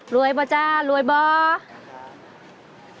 รวยเปล่าจ้ารวยไหม